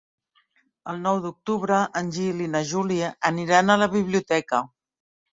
El nou d'octubre en Gil i na Júlia aniran a la biblioteca.